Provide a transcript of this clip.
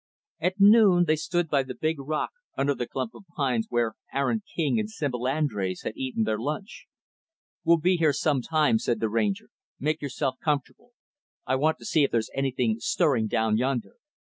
At noon, they stood by the big rock, under the clump of pines, where Aaron King and Sibyl Andrés had eaten their lunch. "We'll be here some time," said the Ranger. "Make yourself comfortable. I want to see if there's anything stirring down yonder."